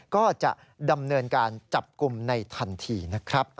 ก็จะดำเนินการจับกลุ่มในทันทีนะครับ